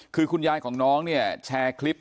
คือคุณยายของน้องเนี่ยแชร์คลิป